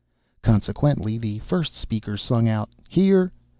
Consequently, the first speaker sung out, "Here!"